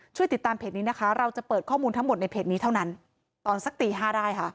ช่วยติดตามเพจนี้นะคะเราจะเปิดข้อมูลทั้งหมดในเพจนี้เท่านั้นตอนสักตีห้าได้ค่ะ